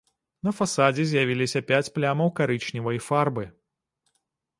На фасадзе з'явіліся пяць плямаў карычневай фарбы.